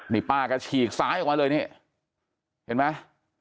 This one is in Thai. นี่ป้าก็ฉีกซ้ายออกมาเลยนี่เห็นไหม